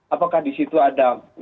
apakah disitu ada misalnya